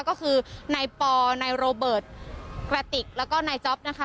ก็คือนายปอนายโรเบิร์ตกระติกแล้วก็นายจ๊อปนะคะ